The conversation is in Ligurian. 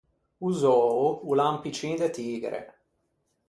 O zöo o l’à un piccin de tigre.